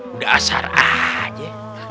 udah asar aja